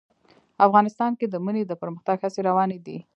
افغانستان کې د منی د پرمختګ هڅې روانې دي.